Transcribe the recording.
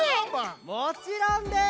もちろんです！